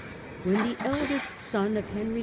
When the eldest son of Henry II.